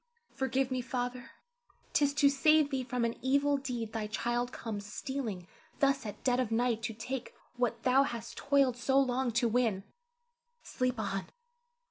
Forgive me, Father; 'tis to save thee from an evil deed thy child comes stealing thus at dead of night to take what thou hast toiled so long to win. Sleep on!